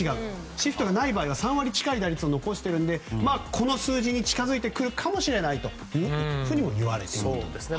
シフトがない場合は３割近い打率を残しているのでこの数字に近づいてくるかもしれないというふうにもいわれています。